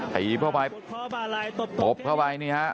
ไข่อีกเข้าไปตบเข้าไปเนี่ยฮะ